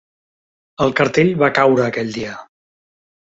El cartell va caure aquell dia.